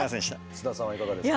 須田さんはいかがですか？